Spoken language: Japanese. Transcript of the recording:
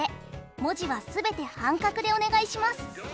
文字は全て半角でお願いします。